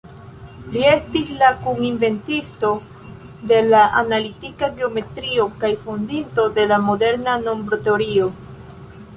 Li estis la kun-inventisto de la analitika geometrio kaj fondinto de la moderna nombroteorio.